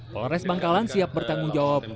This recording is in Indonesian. polres bangkalan siap bertanggung jawab